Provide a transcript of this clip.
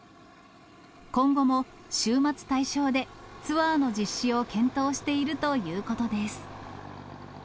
今後も週末対象で、ツアーの実施を検討しているということです。